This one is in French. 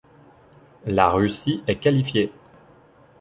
La Russie est qualifiée.